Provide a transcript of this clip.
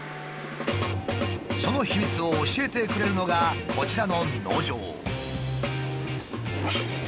その秘密を教えてくれるのがこちらの農場。